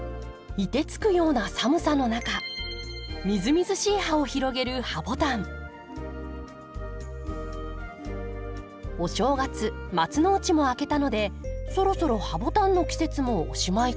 凍てつくような寒さの中みずみずしい葉を広げるお正月松の内も明けたのでそろそろハボタンの季節もおしまいかな。